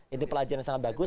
ini pelajaran sangat bagus